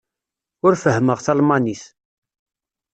Ur fehhmeɣ talmanit.